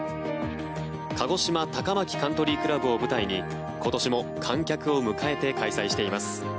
鹿児島高牧カントリークラブを舞台に今年も観客を迎えて開催しています。